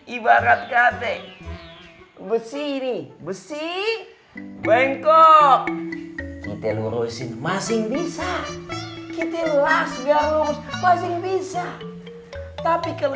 ibarat kate besi ini besi bengkok kita lurusin masing bisa kita lasgar masing bisa tapi kalau